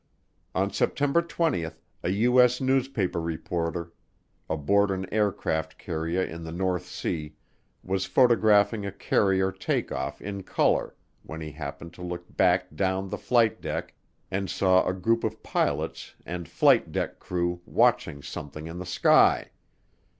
On September 20, a U.S. newspaper reporter aboard an aircraft carrier in the North Sea was photographing a carrier take off in color when he happened to look back down the flight deck and saw a group of pilots and flight deck crew watching something in the sky.